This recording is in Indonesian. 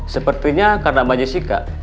sepertinya karena mbak jessica